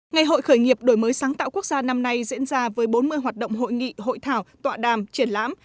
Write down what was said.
ngày hội khởi nghiệp đổi mới sáng tạo quốc gia năm nay diễn ra với bốn mươi hoạt động hội nghị hội thảo tọa đàm triển lãm